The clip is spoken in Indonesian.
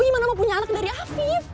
gimana mau punya anak dari hafib